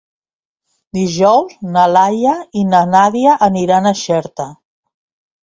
Dijous na Laia i na Nàdia aniran a Xerta.